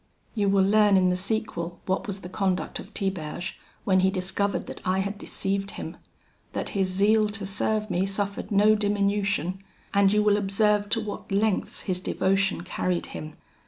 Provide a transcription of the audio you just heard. "You will learn in the sequel what was the conduct of Tiberge when he discovered that I had deceived him; that his zeal to serve me suffered no diminution; and you will observe to what lengths his devotion carried him.